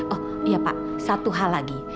oh iya pak satu hal lagi